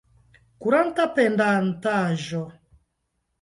Kuranta pendantaĵo.